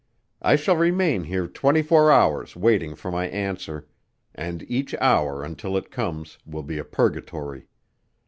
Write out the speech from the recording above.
I shall remain here twenty four hours waiting for my answer, and each hour until it comes will be a purgatory.